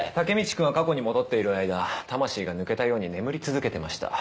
君は過去に戻っている間魂が抜けたように眠り続けてました。